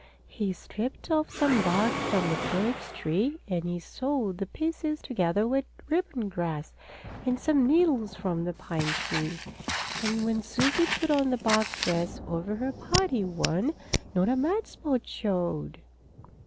He stripped off some bark from the birch tree and he sewed the pieces together with ribbon grass, and some needles from the pine tree. And when Susie put on the bark dress over her party one, not a mud spot showed!